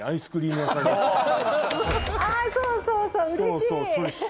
あそうそううれしい。